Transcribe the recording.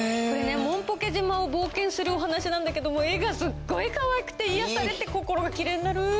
これねもんぽけじまを冒険するお話なんだけどもう絵がすっごいかわいくて癒やされて心がきれいになる。